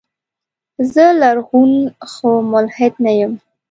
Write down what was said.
زه لرغون خو ملحد نه يم.